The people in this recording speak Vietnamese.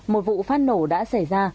một vụ phát nổ đã xảy ra